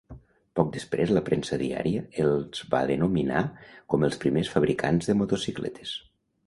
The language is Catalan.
Poc després la premsa diària els va denominar com els primers fabricants de motocicletes.